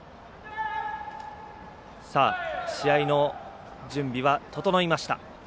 試合の準備は整いました。